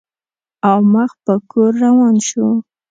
او مخ په کور روان شو.